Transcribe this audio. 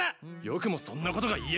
よくもそんなことが言えるな！